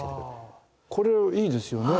これいいですよね。